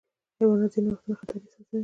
حیوانات ځینې وختونه خطر احساسوي.